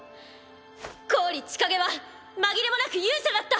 郡千景は紛れもなく勇者だった！